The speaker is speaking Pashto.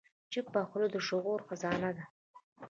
چپه خوله، د شعور خزانه ده.